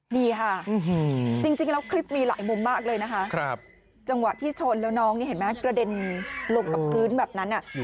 นี่ค่ะจริงแล้วคลิปมีหลายมุมมากเลยนะคะจังหวะที่ชนแล้วน้องนี่เห็นไหมกระเด็นลงกับพื้นแบบนั้น